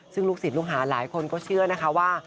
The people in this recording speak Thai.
ซึ่งลูกศิษย์ลูกหาหลายคนก็เชื่อนะคะว่า